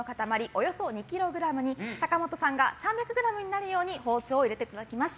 およそ２ｋｇに坂本さんが３００ｇになるように包丁を入れていただきます。